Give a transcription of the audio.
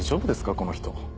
この人。